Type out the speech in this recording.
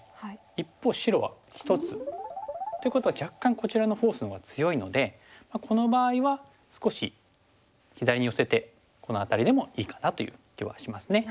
一方白は１つ。っていうことは若干こちらのフォースのほうが強いのでこの場合は少し左に寄せてこの辺りでもいいかなという気はしますね。